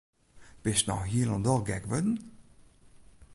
Bist no hielendal gek wurden?